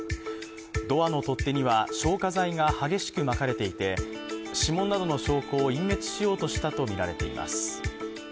ドアの取っ手には消火剤が激しくまかれていて指紋などの証拠を隠滅しようとしたとみられています。